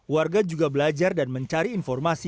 warga juga belajar dan mencari informasi